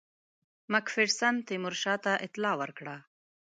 مک فیرسن تیمورشاه ته اطلاع ورکړه.